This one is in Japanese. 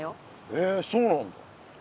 へえそうなんだ。